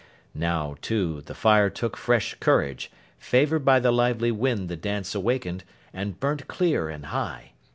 Now, too, the fire took fresh courage, favoured by the lively wind the dance awakened, and burnt clear and high.